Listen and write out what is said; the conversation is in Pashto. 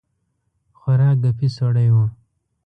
خورا ګپي سړی وو.